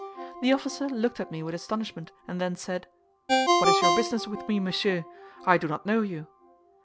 The officer looked at me with astonishment, and then said, 'What is your business with me, monsieur? I do not know you.